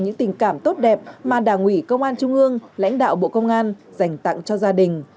những tình cảm tốt đẹp mà đảng ủy công an trung ương lãnh đạo bộ công an dành tặng cho gia đình